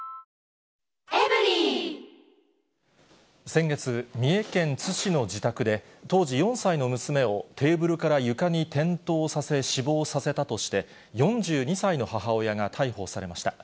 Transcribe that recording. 先月、三重県津市の自宅で、当時４歳の娘をテーブルから床に転倒させ、死亡させたとして、４２歳の母親が逮捕されました。